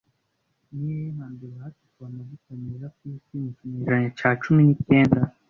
Ni hehe hambere hacukuwe amavuta meza ku isi mu kinyejana cya cumi n'icyenda